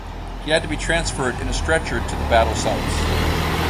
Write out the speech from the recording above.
He had to be transferred in a stretcher to the battle sites.